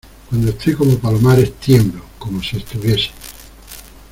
cuando estoy como Palomares, tiemblo ; como si estuviese